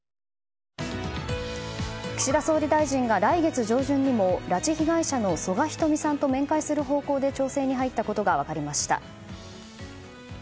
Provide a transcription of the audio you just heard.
岸田総理大臣が来月上旬にも拉致被害者の曽我ひとみさんと面会する方向で調整に入ったことが分かりました。